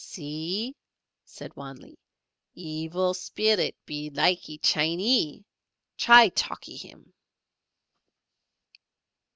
"See," said Wan Lee, "Evil Spillet be likee Chinee, try talkee him."